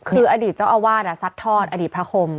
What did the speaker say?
คืออดีตเจ้าอาวาสซัดทอดอดีตพระคม